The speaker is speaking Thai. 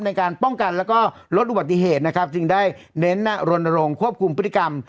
ในการป้องกันแล้วก็ลดอุบัติเหตุนะครับจึงได้เน้นรณรงค์ควบคุมพฤติกรรม